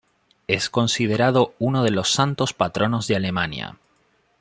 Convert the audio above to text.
Es considerado uno de los santos patronos de Alemania.